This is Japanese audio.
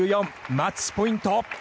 マッチポイント。